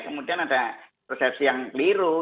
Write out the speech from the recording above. kemudian ada persepsi yang keliru